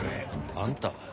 あんたは？